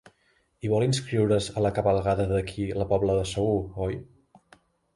I vol inscriure's a la cavalcada d'aquí la Pobla de Segur, oi?